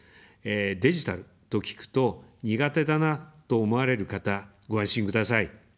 デジタルと聞くと、苦手だなと思われる方、ご安心ください。